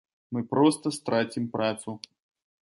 Мы проста страцім працу.